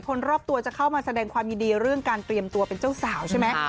คนรอบตัวจะเข้ามาแสดงความยินดีเรื่องการเตรียมตัวเป็นเจ้าสาวใช่ไหม